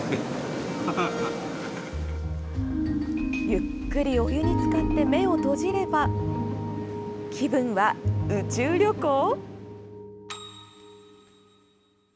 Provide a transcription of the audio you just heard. ゆっくりお湯につかって目を閉じれば気分は、宇宙旅行？